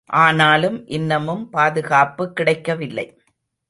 ஆனாலும் இன்னமும் பாதுகாப்பு கிடைக்கவில்லை.